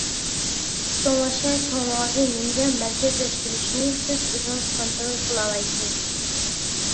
شۇڭلاشقا كۆڭلىڭىزنى نېمىگە مەركەزلەشتۈرۈشنى سىز ئۆزىڭىز كونترول قىلالايسىز.